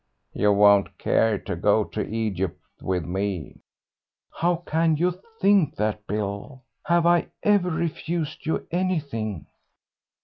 "You won't care to go to Egypt with me." "How can you think that, Bill? Have I ever refused you anything?"